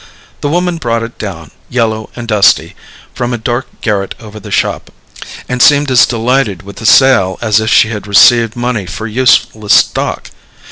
The woman brought it down, yellow and dusty, from a dark garret over the shop, and seemed as delighted with the sale as if she had received money for useless stock.